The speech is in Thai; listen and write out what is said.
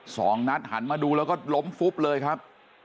สองนัดหันมาดูตอนนั้นรมเลยครับ